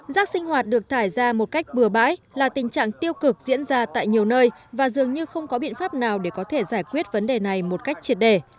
rác sinh hoạt được thải ra một cách bừa bãi là tình trạng tiêu cực diễn ra tại nhiều nơi và dường như không có biện pháp nào để có thể giải quyết vấn đề này một cách triệt đề